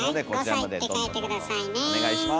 はい「５さい」って書いて下さいね。